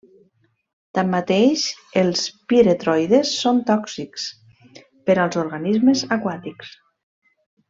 Tanmateix, els piretroides són tòxics per als organismes aquàtics.